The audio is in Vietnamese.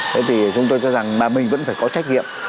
thế thì chúng tôi cho rằng mà mình vẫn phải có trách nhiệm